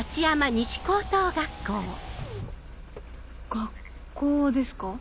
学校ですか？